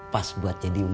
pas buat jadi emak lu